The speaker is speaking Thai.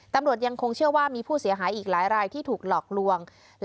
ตำรวจยังคงเชื่อว่ามีผู้เสียหายอีกหลายรายที่ถูกหลอกลวง